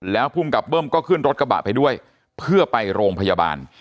แล้วภูมิกับเบิ้มก็ขึ้นรถกระบะไปด้วยเพื่อไปโรงพยาบาล